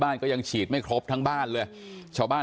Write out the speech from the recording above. บ้านเขาไม่ค่อยสบายใจ